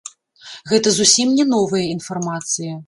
Гэта зусім не новая інфармацыя.